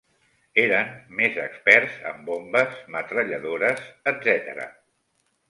Eren més experts en bombes, metralladores, etcètera.